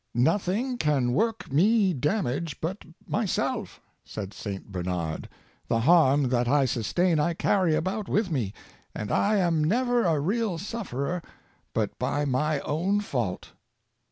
" Nothing can work me damage but myself," said St. Bernard; "the harm that I sustain I carry about with me; and I am never a real sufferer but by my own fault."